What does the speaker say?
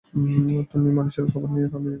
তুমি মানুষের খাবার খাওয়া থামিয়ে দিয়েছিলে, তাই না?